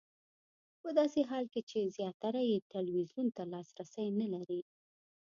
په داسې حال کې چې زیاتره یې ټلویزیون ته لاسرسی نه لري.